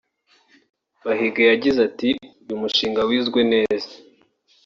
Bahige yagize ati “uyu mushinga wizwe neza